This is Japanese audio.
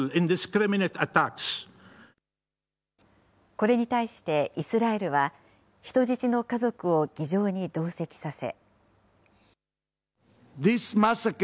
これに対して、イスラエルは人質の家族を議場に同席させ。